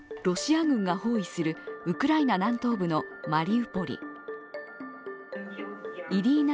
ロシア軍が包囲するウクライナ南東部のマリウポリ。